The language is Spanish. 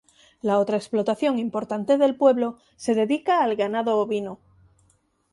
La otra explotación importante del pueblo se dedica al ganado ovino.